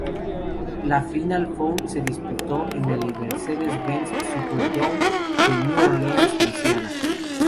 La Final Four se disputó en el Mercedes-Benz Superdome de New Orleans, Louisiana.